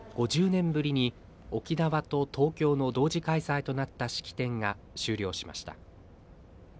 ５０年ぶりに、沖縄と東京の同時開催となった式典が終了しました。